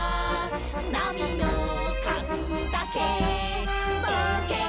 「なみのかずだけぼうけんさ」